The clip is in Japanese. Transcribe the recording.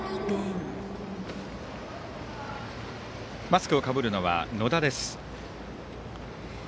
マスクをかぶるのは野田です。